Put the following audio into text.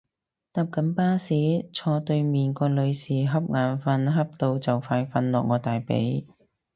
搭緊巴士，坐對面個女士恰眼瞓恰到就快瞓落我大髀